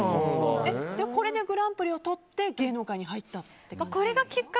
これでグランプリをとって芸能界に入ったって感じなんですか。